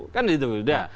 kan itu udah